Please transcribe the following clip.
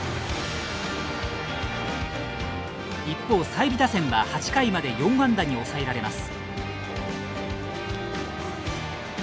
一方済美打線は８回まで４安打に抑えられます。